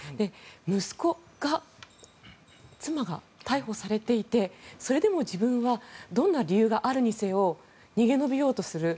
息子、妻が逮捕されていてそれでも自分はどんな理由があるにせよ逃げ延びようとする。